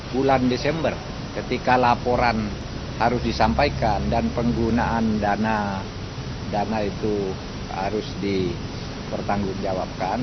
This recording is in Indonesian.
bulan desember ketika laporan harus disampaikan dan penggunaan dana itu harus dipertanggungjawabkan